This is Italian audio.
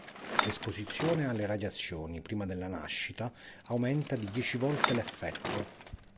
L'esposizione alle radiazioni prima della nascita aumenta di dieci volte l'effetto.